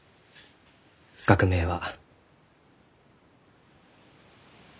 学名は。